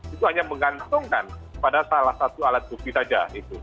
itu hanya menggantungkan pada salah satu alat bukti saja